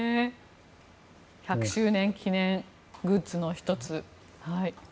１００周年記念グッズの１つ。